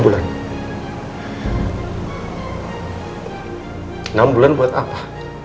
enam bulan buat apa